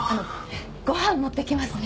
ご飯持って来ますね。